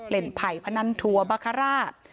เล่นไผ่พนันทัวร์บัคคาราศ